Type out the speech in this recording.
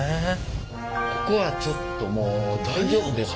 ここはちょっともう大丈夫ですか？